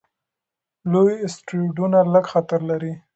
لوی اسټروېډونه لږ خطر لري.